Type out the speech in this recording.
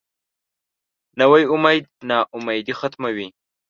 نوی امید نا امیدي ختموي